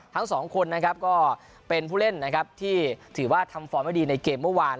ทั้งสองคนนะครับก็เป็นผู้เล่นนะครับที่ถือว่าทำฟอร์มไม่ดีในเกมเมื่อวาน